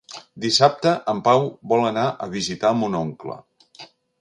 Dissabte en Pau vol anar a visitar mon oncle.